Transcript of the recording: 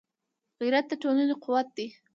غیرت د ټولنې قوت دی